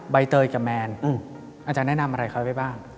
ใบเตยกับแมนอาจารย์แนะนำอะไรเขาไว้บ้าง